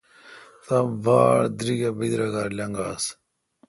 تا باڑ دریک اے° بدراگار لنگاس۔